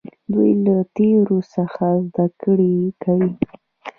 دوی له تیرو څخه زده کړه کوي.